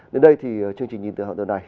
đến đây thì chương trình nhìn từ hậu tượng này